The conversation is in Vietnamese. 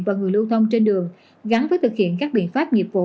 và người lưu thông trên đường gắn với thực hiện các biện pháp nghiệp vụ